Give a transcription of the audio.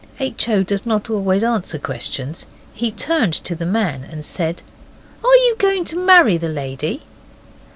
H. O. does not always answer questions. He turned to the man and said 'Are you going to marry the lady?